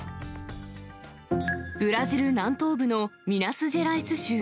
ブラジル南東部のミナスジェライス州。